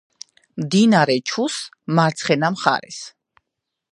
მდინარე ჩუს მარცხენა მხარეს.